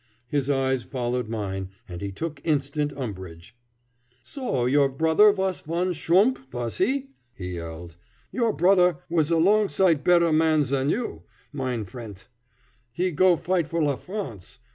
His eyes followed mine, and he took instant umbrage: "So your brother vas one shump, vas he?" he yelled. "Your brother vas a long sight better man zan you, mine frient. He go fight for la France.